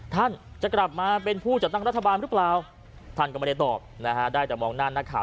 ท่านจะกลับมาเป็นผู้จัดตั้งรัฐบาลหรือเปล่าท่านก็ไม่ได้ตอบนะฮะได้แต่มองหน้านักข่าว